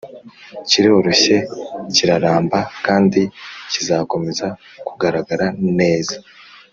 cyiroroshye kiraramba kandi kizakomeza kugaragara neza